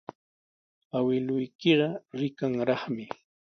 Awkilluykiqa rikanraqmi.